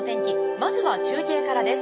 まずは中継からです。